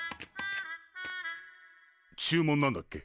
注文なんだっけ？